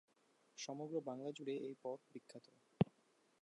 সমগ্র বাংলা জুড়ে এই পদ বিখ্যাত।